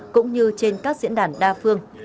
cũng như trên các diễn đàn đa phương